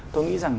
tôi nghĩ rằng